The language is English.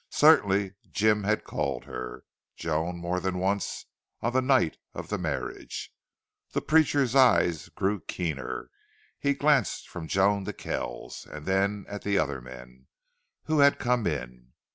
Certainly Jim had called her Joan more than once on the night of the marriage. The preacher's eyes grew keener. He glanced from Joan to Kells, and then at the other men, who had come in.